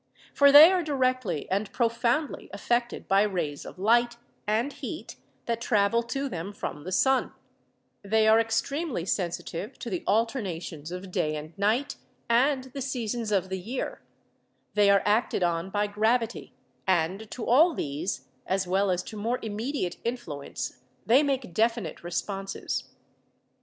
For they are directly and profoundly affected by rays of light and heat that travel to them from the sun ; they are extremely sensitive to the alternations of day and night and the seasons of the year; they are acted on by gravity; and to all these, as well as to more immediate influence, they make definite responses.